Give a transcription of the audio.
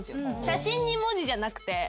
写真に文字じゃなくて。